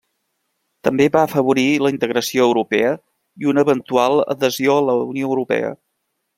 També va afavorir la integració europea i una eventual adhesió a la Unió Europea.